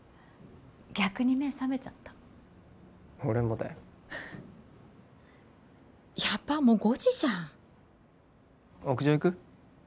逆に目覚めちゃった俺もだよやばっもう５時じゃん屋上行く？